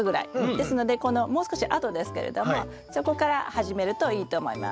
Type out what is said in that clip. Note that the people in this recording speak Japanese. ですのでこのもう少しあとですけれどもそこから始めるといいと思います。